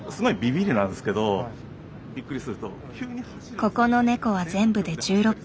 ここのネコは全部で１６匹。